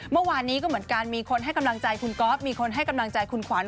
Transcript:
เมื่อวานนี้ก็เหมือนกันมีคนให้กำลังใจคุณก๊อฟมีคนให้กำลังใจคุณขวัญ